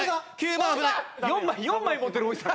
４枚４枚持ってる多井さん。